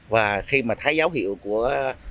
và khi mà thấy dấu hiệu của